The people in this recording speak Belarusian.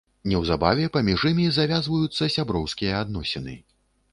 Неўзабаве паміж імі завязваюцца сяброўскія адносіны.